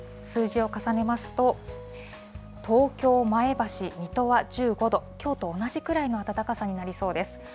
数字を重ねますと、東京、前橋、水戸は１５度、きょうと同じくらいの暖かさになりそうです。